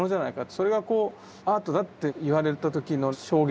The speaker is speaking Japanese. それがこうアートだって言われた時の衝撃。